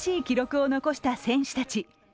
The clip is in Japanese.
記録を残した選手たち。